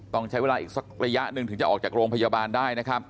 ต้องใช้เวลาอีกสักระยะหนึ่งถึงจะออกจากโรงพยาบาลได้นะครับ